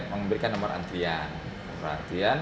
memberikan nomor antrian